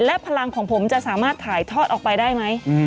และพลังของผมจะสามารถถ่ายทอดออกไปได้ไหม